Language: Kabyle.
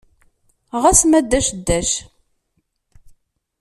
Ɣas ma ddac ddac.